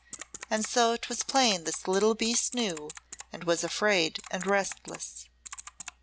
And so 'twas plain this little beast knew and was afraid and restless.